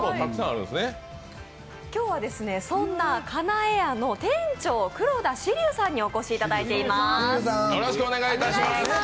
今日はそんな叶え家の店長黒田子竜さんにお越しいただいています。